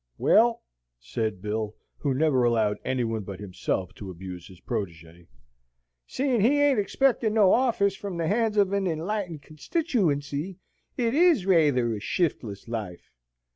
"Well," said Bill, who never allowed any one but himself to abuse his protege, "seein' he ain't expectin' no offis from the hands of an enlightened constitooency, it IS rayther a shiftless life."